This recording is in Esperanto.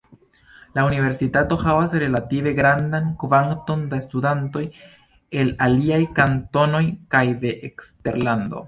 La universitato havas relative grandan kvanton da studantoj el aliaj kantonoj kaj de eksterlando.